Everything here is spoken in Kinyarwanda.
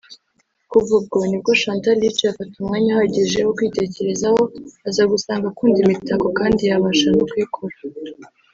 Kuva ubwo nibwo Chantal yicaye afata umwanya uhagije wo kwitekerezaho aza gusanga akunda imitako kandi yabasha no kuyikora